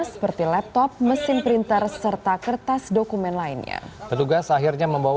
seperti laptop mesin printer serta kertas dokumen lainnya